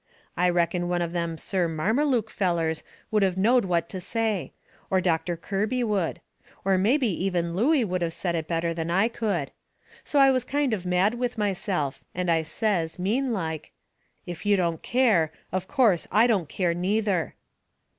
I reckon one of them Sir Marmeluke fellers would of knowed what to say. Or Doctor Kirby would. Or mebby even Looey would of said it better than I could. So I was kind of mad with myself, and I says, mean like: "If you don't care, of course, I don't care, neither."